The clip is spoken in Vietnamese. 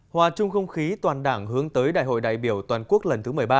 hòa chung không khí toàn đảng hướng tới đại hội đại biểu toàn quốc lần thứ một mươi ba